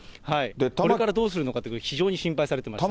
これからどうするのか、非常に心配されてました。